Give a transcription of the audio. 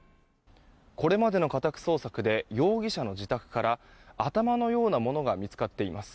これまでの家宅捜索で容疑者の自宅から頭のようなものが見つかっています。